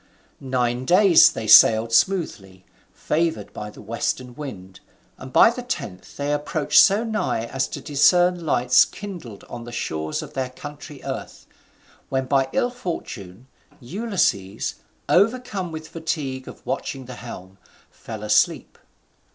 Nine days they sailed smoothly, favoured by the western wind, and by the tenth they approached so nigh as to discern lights kindled on the shores of their country earth: when, by ill fortune, Ulysses, overcome with fatigue of watching the helm, fell asleep.